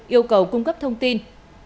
yêu cầu cung cấp thông tin